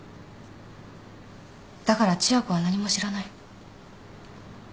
だから千夜子は何も知らない。